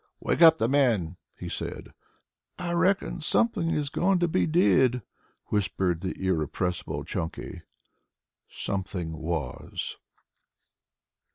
"Wake up the men," he said. "I reckon something is going to be did," whispered the irrepressible Chunky. Something was.